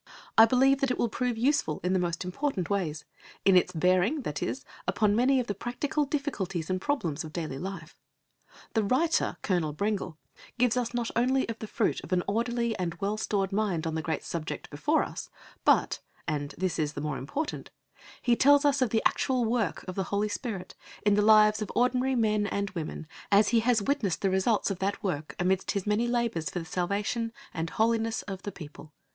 I believe that it will prove useful in the most important ways in its bearing, that is, upon many of the practical difficulties and problems of daily life. The writer, Colonel Brengle, gives us not only of the fruit of an orderly and well stored mind on the great subject before us, but and this is the more important he tells us of the actual work of the Holy Spirit in the lives of ordinary men and women, as he has witnessed the results of that work amidst his many labours for the Salvation and Holiness of the people.